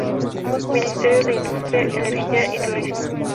Ministerio de Industria, Energía y Turismo.